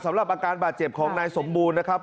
สำหรับอาการบาดเจ็บของนายสมบูรณ์นะครับ